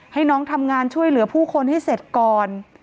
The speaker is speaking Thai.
ให้น้องทำงานช่วยเหลือผู้คนให้เสร็จก่อน